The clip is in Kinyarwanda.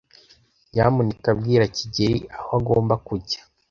Nyamuneka bwira kigeli aho agomba kujya.